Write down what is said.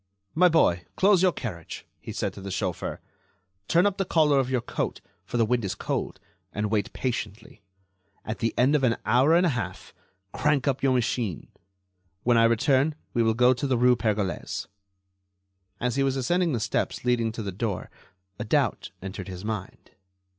"My boy, close your carriage," he said to the chauffeur; "turn up the collar of your coat, for the wind is cold, and wait patiently. At the end of an hour and a half, crank up your machine. When I return we will go to the rue Pergolese." As he was ascending the steps leading to the door a doubt entered his mind.